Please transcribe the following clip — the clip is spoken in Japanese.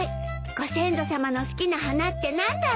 ご先祖さまの好きな花って何だろう。